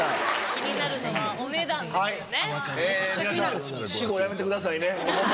気になるのはお値段ですよね。